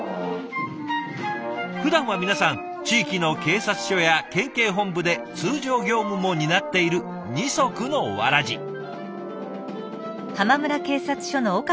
ふだんは皆さん地域の警察署や県警本部で通常業務も担っている二足のわらじ。